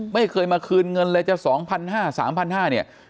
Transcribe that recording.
ไม่เคยมาคืนเงินเลยจะสองพันห้าสามพันห้าเนี่ย